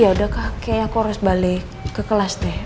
ya udah kak kiai aku harus balik ke kelas deh